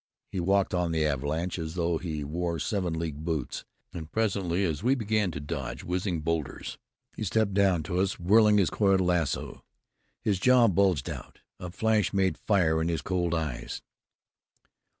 He walked on the avalanches as though he wore seven league boots, and presently, as we began to dodge whizzing bowlders, he stepped down to us, whirling his coiled lasso. His jaw bulged out; a flash made fire in his cold eyes.